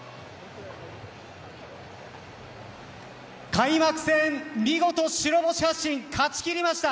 開幕戦、見事白星発進勝ち切りました。